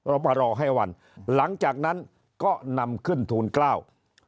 มารอให้วันหลังจากนั้นก็นำขึ้นทูลเกล้า